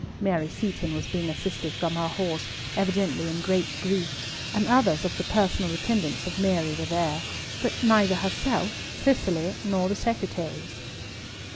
Mary Seaton was being assisted from her horse, evidently in great grief; and others of the personal attendants of Mary were there, but neither herself, Cicely, nor the Secretaries.